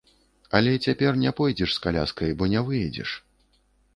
Але цяпер не пойдзеш з каляскай, бо не выедзеш.